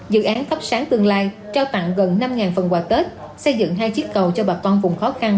dự án thắp sáng tương lai trao tặng gần năm phần quà tết xây dựng hai chiếc cầu cho bà con vùng khó khăn